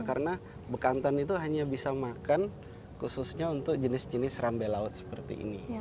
karena bekantan itu hanya bisa makan khususnya untuk jenis jenis rambe laut seperti ini